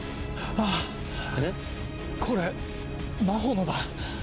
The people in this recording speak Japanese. あっ、これ、真帆のだ。